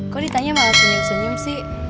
kok ditanya malah senyum senyum sih